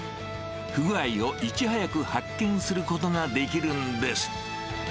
不具合をいち早く発見することができるんです。